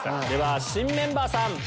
では新メンバーさん。